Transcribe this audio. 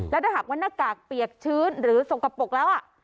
แล้วถ้าหากว่าหน้ากากเปียกชื้นหรือสกปรกแล้ว